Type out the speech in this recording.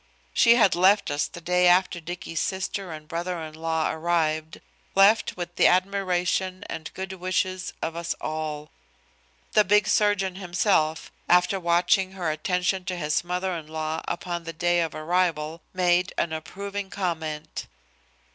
She had left us the day after Dicky's sister and brother in law arrived, left with the admiration and good wishes of us all. The big surgeon himself, after watching her attention to his mother in law upon the day of arrival, made an approving comment.